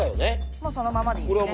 もうそのままでいいですね。